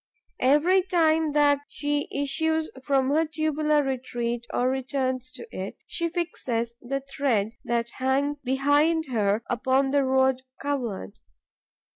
Every time that she issues from her tubular retreat or returns to it, she fixes the thread that hangs behind her upon the road covered.